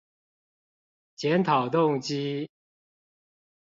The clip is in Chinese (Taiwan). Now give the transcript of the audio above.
檢討動機